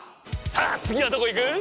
さあ次はどこ行く？